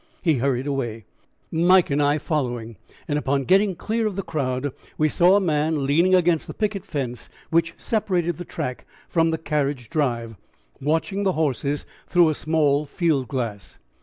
He hurried away, Mike and I following, and upon getting clear of the crowd we saw a man leaning against the picket fence which separated the track from the carriage drive, watching the horses through a small field glass.